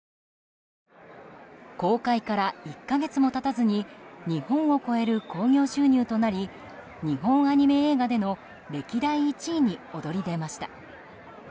公開から１か月も経たずに日本を超える興行収入となり日本アニメ映画での歴代１位に躍り出ました。